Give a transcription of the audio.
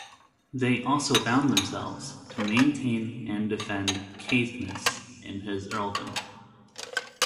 They also bound themselves to maintain and defend Caithness in his earldom.